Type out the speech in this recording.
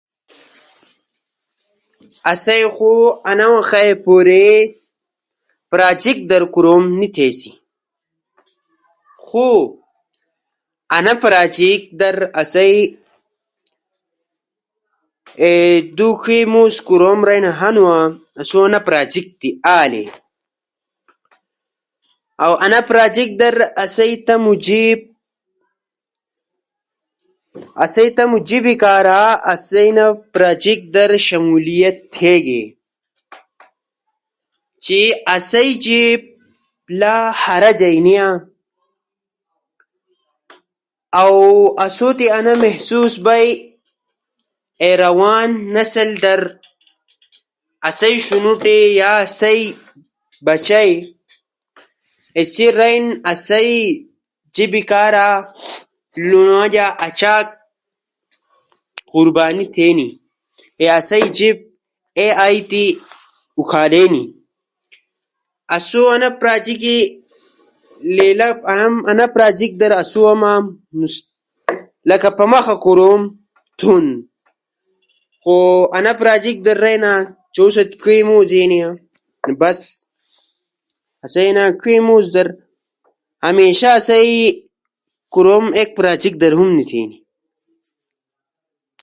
آسئی خو انا وخا پورے پراجیک در کوروم نی تھیسی۔ خو انا پراجیک در آسئی دُو ڇے مو س در کوروم رئینا ہنو آں آسو انا پراجیک تی آلے۔ انا پراجیک در اسئی تمو جیب شامل تھونو کارا انا پراجیک در شمولیت تھیگی۔ چی آسئی جیب لا ہاراجئی نیا اؤ اسو تی انا محسوس بئی تے روان نسل در آسئی شنوٹی یا اسئی بچئی سئی رئینی اؤ آسئی اینی وجہ اچاک قربانی تھینی۔ اے آسئی جیب اے آئی تی اوکھارا بئینی۔ آسو انا پراجیک در پمکا کوروم تھینی۔